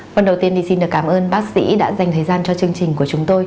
phần đầu tiên thì xin được cảm ơn bác sĩ đã dành thời gian cho chương trình của chúng tôi